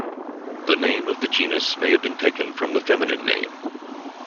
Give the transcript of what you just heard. The name of the genus may have been taken from the feminine name.